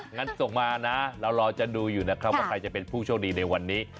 งั้นส่งมานะเรารอจะดูอยู่นะครับว่าใครจะเป็นผู้โชคดีในวันนี้